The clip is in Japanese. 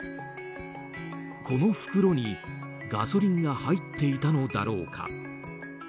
この袋にガソリンが入っていたのだろうか。